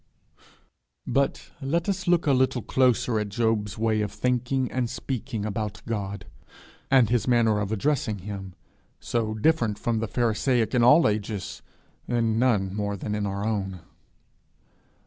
But let us look a little closer at Job's way of thinking and speaking about God, and his manner of addressing him so different from the pharisaic in all ages, in none more than in our own.